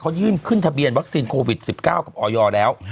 เขายื่นขึ้นทะเบียนวัคซีนโควิด๑๙กับออยแล้ว